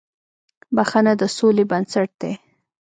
• بښنه د سولې بنسټ دی.